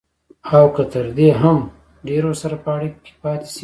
او که تر دې هم ډېر ورسره په اړيکه کې پاتې شي.